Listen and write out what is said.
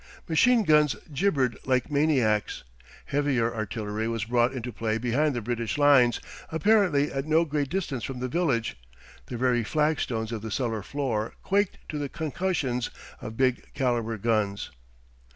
Machine guns gibbered like maniacs. Heavier artillery was brought into play behind the British lines, apparently at no great distance from the village; the very flag stones of the cellar floor quaked to the concussions of big calibre guns.